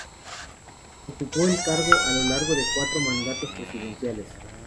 Ocupó el cargo a lo largo de cuatro mandatos presidenciales.